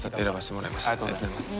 ありがとうございます。